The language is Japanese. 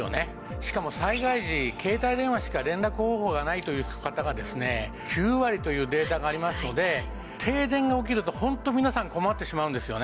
しかも災害時携帯電話しか連絡方法がないという方がですね９割というデータがありますので停電が起きると本当皆さん困ってしまうんですよね。